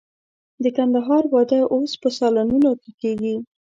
د کندهار واده اوس په سالونونو کې کېږي.